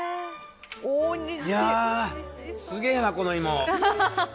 いやー、すごいなこの芋。